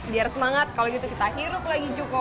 biar semangat kalau gitu kita ngirup lagi cukko